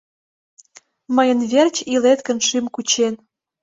Мыйын верч илет гын шӱм кучен